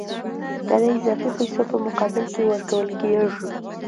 دا د اضافي پیسو په مقابل کې ورکول کېږي